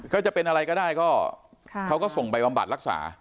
ก็จะเป็นอะไรก็ได้ก็เขาก็ส่งไปบำบัดรักษา